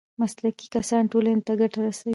مسلکي کسان ټولنې ته ګټه رسوي